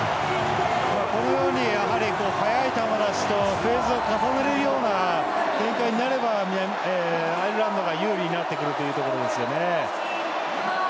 このように速い球出しとフェーズを重ねるような展開になればアイルランドが有利になってくるというところですよね。